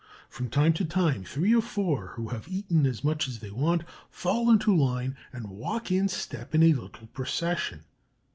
From time to time, three or four who have eaten as much as they want fall into line and walk in step in a little procession.